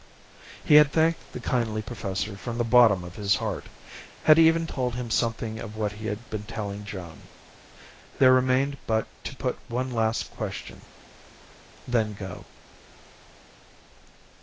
He had thanked the kindly professor from the bottom of his heart, had even told him something of what he had been telling Joan. There remained but to put one last question, then go.